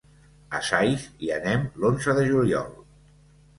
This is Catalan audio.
A Saix hi anem l'onze de juliol.